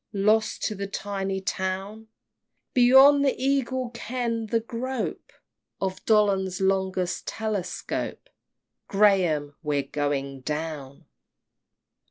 Lost to the tiny town! Beyond the Eagle's ken the grope Of Dollond's longest telescope! Graham! we're going down!